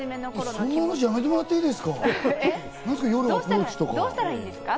そんな話、始めちゃっていいんですか？